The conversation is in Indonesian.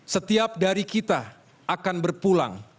setiap dari kita akan berpulang